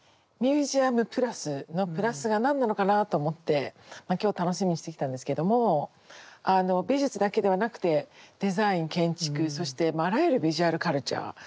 ミュージアムプラスの「プラス」が何なのかなと思って今日楽しみにしてきたんですけども美術だけではなくてデザイン建築そしてあらゆるビジュアルカルチャー。